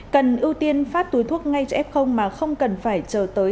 cần ưu tiên phát túi thuốc ngay cho ép không mà không cần phải chờ tới